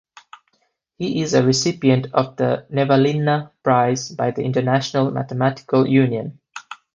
He is a recipient of the Nevanlinna Prize by the International Mathematical Union.